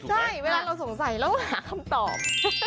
ใช่เวลาเราสงสัยเราหาคำตอบ